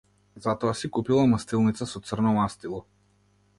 Затоа си купила мастилница со црно мастило.